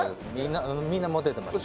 みんなモテてました。